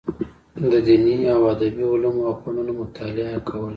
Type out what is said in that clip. د دیني او ادبي علومو او فنونو مطالعه یې کوله.